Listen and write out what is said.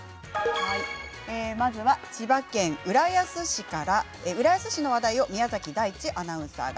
まずは千葉県浦安市からの話題を宮崎大地アナウンサーが。